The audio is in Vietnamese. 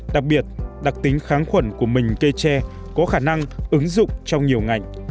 đặc biệt đặc tính kháng khuẩn của mình cây tre có khả năng ứng dụng trong nhiều ngành